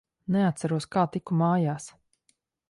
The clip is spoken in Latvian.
Neatceros, kā tiku mājās.